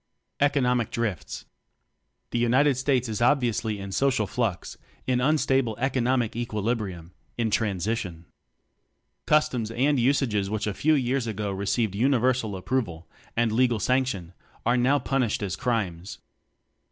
Economic Drifts. The United States is obviously in social flux, in unstable economic equili brium in transition. Customs and usages which a few years ago received universal approval and legal sanction are now punished as crimes.